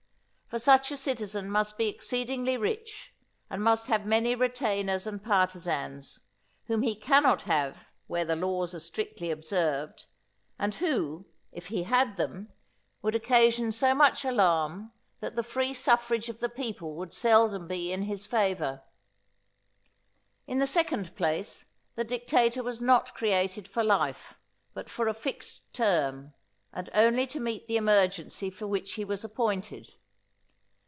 For such a citizen must be exceedingly rich, and must have many retainers and partisans, whom he cannot have where the laws are strictly observed, and who, if he had them, would occasion so much alarm, that the free suffrage of the people would seldom be in his favour. In the second place, the dictator was not created for life, but for a fixed term, and only to meet the emergency for which he was appointed.